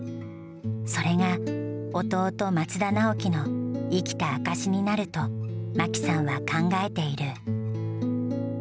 それが弟・松田直樹の生きた証しになると真紀さんは考えている。